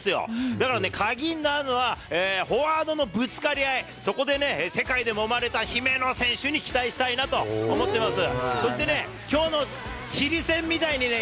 だから、鍵になるのはフォワードのぶつかり合い、そこでね、世界でもまれた姫野選手に期待したいなと思ってます。